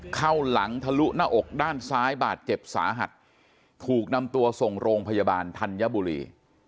เข้าหลังทะลุหน้าอกด้านซ้ายบาดเจ็บสาหัสถูกนำตัวส่งโรงพยาบาลธัญบุรี